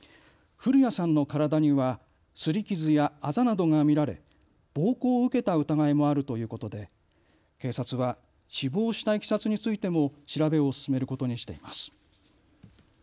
古屋さんの体にはすり傷やあざなどが見られ暴行を受けた疑いもあるということで警察は死亡したいきさつについても調べを進めることにしています。